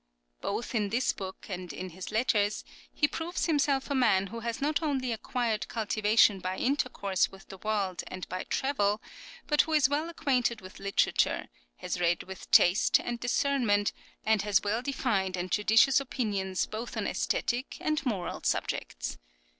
Both in this book and in his letters he proves himself a man who has not only acquired cultivation by intercourse with the world and by travel, but who is well acquainted with literature, has read with taste and discernment, and has well defined and judicious opinions {L. MOZART'S POSITION IN SALZBURG.} (17) both on aesthetic and moral subjects.